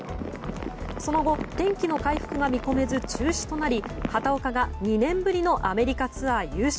その後、天気の回復が見込めず中止となり畑岡が２年ぶりのアメリカツアー優勝。